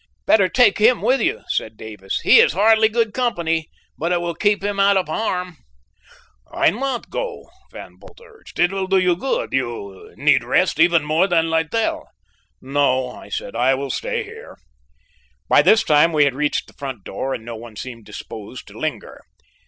"Better take him with you," said Davis. "He is hardly good company, but it will keep him out of harm." "Why not go?" Van Bult urged. "It will do you good you need rest even more than Littell." "No," I said, "I will stay here." By this time we had reached the front door and no one seemed disposed to linger.